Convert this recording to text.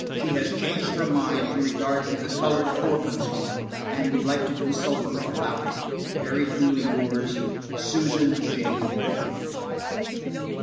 She has changed her mind in regard to the Colored Orphans' Home, and would like to consult you about it. "Very truly yours, "SUSAN JANE MAITLAND."